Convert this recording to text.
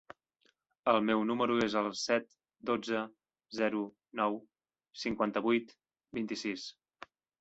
El meu número es el set, dotze, zero, nou, cinquanta-vuit, vint-i-sis.